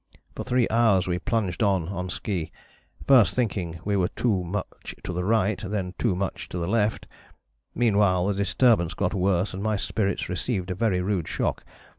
For three hours we plunged on on ski, first thinking we were too much to the right, then too much to the left; meanwhile the disturbance got worse and my spirits received a very rude shock.